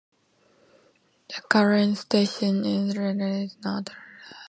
The current station entrance is not the original.